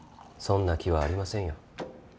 そんな気はありませんよ。